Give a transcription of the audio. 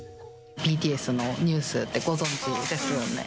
ＢＴＳのニュースってご存じですよね。